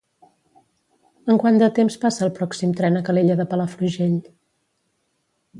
En quant de temps passa el pròxim tren a Calella de Palafrugell?